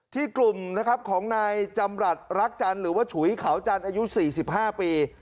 ที่กลุ่มของนายจำรัฐรักจันหรือว่าฉุยเขาจันอายุ๔๕ปี